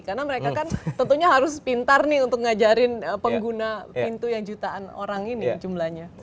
karena mereka kan tentunya harus pintar nih untuk ngajarin pengguna pintu yang jutaan orang ini jumlahnya